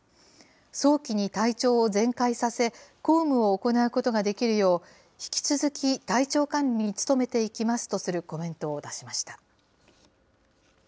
早期に体調を全快させ、公務を行うことができるよう、引き続き体調管理に努めていきますとするコメントを出しました。